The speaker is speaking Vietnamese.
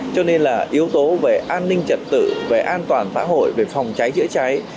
cho nên là yếu tố về an ninh trật tự về an toàn xã hội về phòng cháy chữa cháy